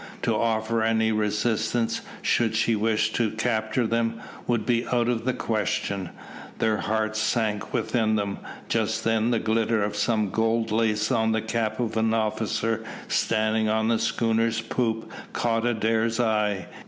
To offer any resistance, should she wish to capture them, would be out of the question. Their hearts sank within them. Just then the glitter of some gold lace on the cap of an officer standing on the schooner's poop caught Adair's eye.